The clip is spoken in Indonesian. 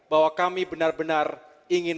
bahwa kami benar benar ingin